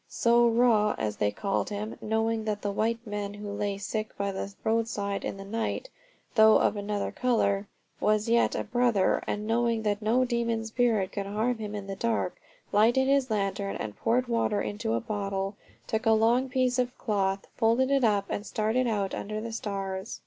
So Rua, as they called him, knowing that the white man who lay sick by the roadside in the night, though of another colour, was yet a brother, and knowing that no demon spirit could harm him in the dark, lighted his lantern, poured water into a bottle, took a long piece of cloth, folded it up, and started out under the stars.